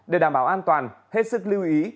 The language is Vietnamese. để đảm bảo an toàn hết sức lưu ý